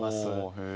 へえ。